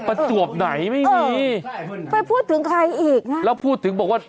ประจวบไหนไม่มีไปพูดถึงใครอีกนะแล้วพูดถึงบอกว่า